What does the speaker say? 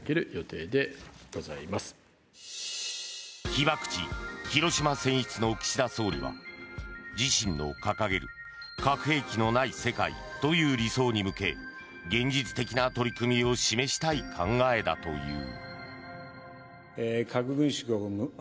被爆地・広島選出の岸田総理は自身の掲げる核兵器のない世界という理想に向け現実的な取り組みを示したい考えだという。